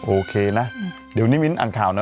โอเคนะเดี๋ยวนี้มิ้นอ่านข่าวนะ